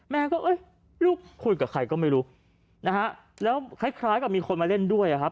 แม่ก็เอ้ยลูกคุยกับใครก็ไม่รู้นะฮะแล้วคล้ายกับมีคนมาเล่นด้วยอะครับ